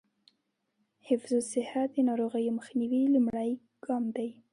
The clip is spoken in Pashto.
حفظ الصحه د ناروغیو مخنیوي لومړنی ګام دی.